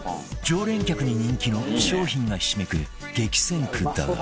常連客に人気の商品がひしめく激戦区だが